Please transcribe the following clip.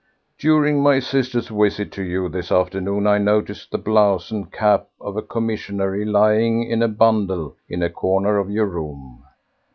During my sister's visit to you this afternoon I noticed the blouse and cap of a commissionnaire lying in a bundle in a corner of your room.